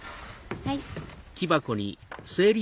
はい。